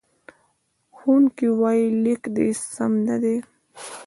ښوونکی وایي، لیک دې سم نه دی.